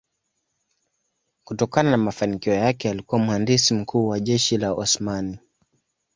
Kutokana na mafanikio yake alikuwa mhandisi mkuu wa jeshi la Osmani.